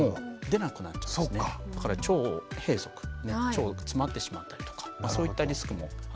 だから腸閉塞腸が詰まってしまったりとかそういったリスクもあったり。